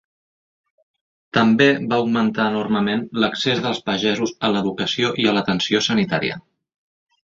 També va augmentar enormement l'accés dels pagesos a l'educació i a l'atenció sanitària.